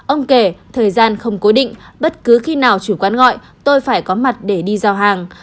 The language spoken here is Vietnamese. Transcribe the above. ông kể thời gian không cố định bất cứ khi nào chủ quán gọi tôi phải có mặt để đi giao hàng